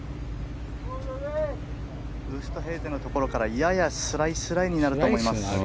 ウーストヘイゼンのところからややスライスラインになると思います。